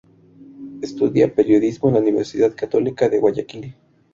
Estudia periodismo en la Universidad Católica de Guayaquil.